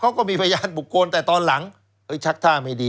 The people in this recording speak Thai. เขาก็มีพยานบุคคลแต่ตอนหลังชักท่าไม่ดี